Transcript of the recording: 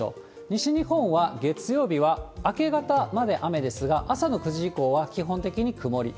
西日本は月曜日は明け方まで雨ですが、朝の９時以降は、基本的に曇り。